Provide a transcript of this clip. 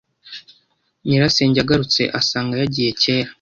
Nyirasenge agarutse asanga yagiye kera